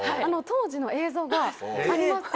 当時の映像があります